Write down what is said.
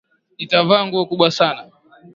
Nitavaa nguo kubwa sana